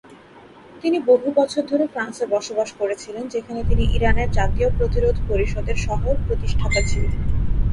তিনি বহু বছর ধরে ফ্রান্সে বসবাস করেছিলেন যেখানে তিনি ইরানের জাতীয় প্রতিরোধ পরিষদের সহ-প্রতিষ্ঠাতা ছিলেন।